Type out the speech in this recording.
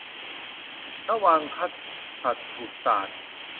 นวังคสัตถุศาสน์